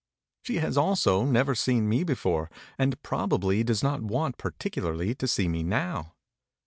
She has also never seen me before, and probably does not want particularly to see me now.